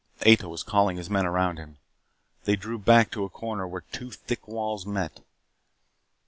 Ato was calling his men around him. They drew back to a corner where two thick walls met.